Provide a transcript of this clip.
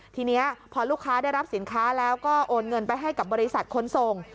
ทีนี้พอลูกค้าได้รับสินค้าแล้วก็โอนเงินไปให้กับบริษัทคนส่ง